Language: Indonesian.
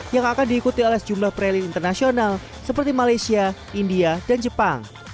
yang akan diikuti oleh sejumlah rally internasional seperti malaysia india dan jepang